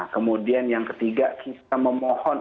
kemudian yang ketiga kita memohon